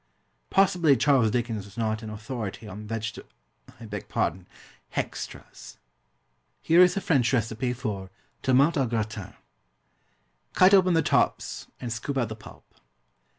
Possibly Charles Dickens was not an authority on veget I beg pardon, "hextras." Here is a French recipe for Tomate au Gratin: Cut open the tops and scoop out the pulp.